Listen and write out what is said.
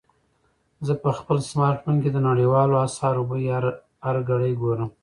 زه په خپل سمارټ فون کې د نړیوالو اسعارو بیې هره ګړۍ ګورم.